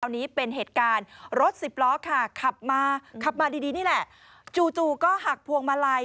อันนี้เป็นเหตุการณ์รถสิบล้อค่ะขับมาขับมาดีดีนี่แหละจู่จู่ก็หักพวงมาลัย